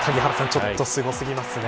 ちょっとすごすぎますね。